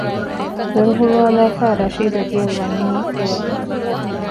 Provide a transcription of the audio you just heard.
ދޮރު ހުޅުވާލާފައި ރަޝީދު އެގެޔަށް ވަނީ އެވަގުތު